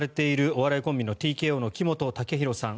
お笑いコンビのＴＫＯの木本武宏さん。